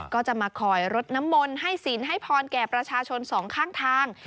ก็จะมาคอยรดน้ำมนต์ให้ศีลให้พรแก่ประชาชนสองข้างทาง